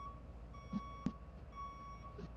The first single taken from the album was "Lighters Up".